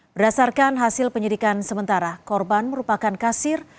berdasarkan hasil penyidikan sementara korban merupakan kasir